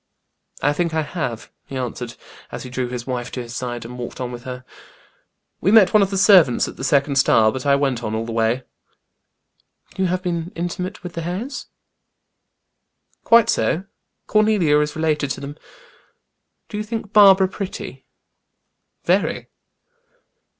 "I think I have," he answered, as he drew his wife to his side, and walked on with her. "We met one of the servants at the second stile, but I went on all the way." "You have been intimate with the Hares?" "Quite so. Cornelia is related to them." "Do you think Barbara pretty?" "Very."